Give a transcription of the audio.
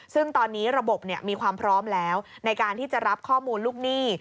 ซึ่งตอนนี้ระบบมีความพร้อมแล้วในการที่จะรับข้อมูลลูกหนี้